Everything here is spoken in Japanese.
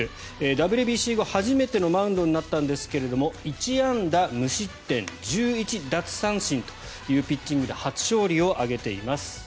ＷＢＣ後初めてのマウンドになったんですが１安打無失点１１奪三振というピッチングで初勝利を挙げています。